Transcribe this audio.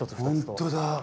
本当だ。